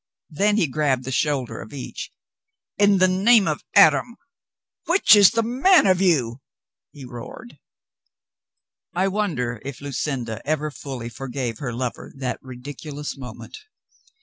Then he grabbed the shoulder of each. "In the name of Adam, which is the man of you ?" he roared. I wonder if Lucinda ever fully forgave her lover that ridiculous moment.